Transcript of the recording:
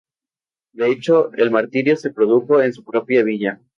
De hecho, su martirio se produjo en su propia villa.